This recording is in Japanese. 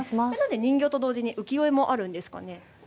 人形と同じに浮世絵もあるんですか。